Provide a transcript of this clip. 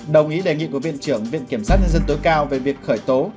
đồng ý đề nghị của viện trưởng viện kiểm sát nhân dân tối cao về việc khởi tố